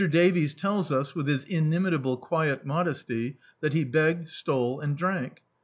Davies tells us, with his inimitable quiet modesty, that he b^ged, stole, and drank.